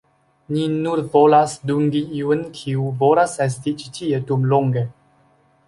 Ni nur volas dungi iun, kiu volas esti ĉi tie dum longe.